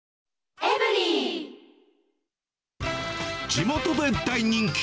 地元で大人気！